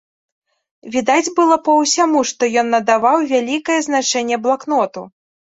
Відаць было па ўсяму, што ён надаваў вялікае значэнне блакноту.